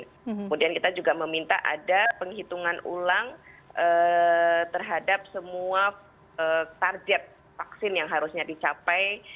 kemudian kita juga meminta ada penghitungan ulang terhadap semua target vaksin yang harusnya dicapai